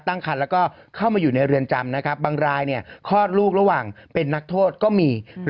ตั้งคันแล้วก็เข้ามาอยู่ในเรือนจำนะครับบางรายคลอดลูกระหว่างเป็นนักโทษก็มี